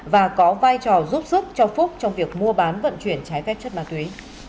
và có vai trò giúp sức cho phúc trong việc mua bán vận chuyển trái phép chất ma túy